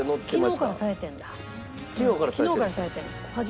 昨日からさえてる。